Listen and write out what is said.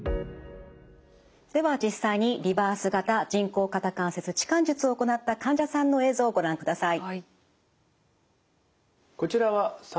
では実際にリバース型人工肩関節置換術を行った患者さんの映像をご覧ください。